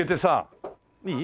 いい？